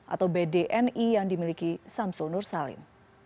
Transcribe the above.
atau bdni yang dimiliki syamsul nursalim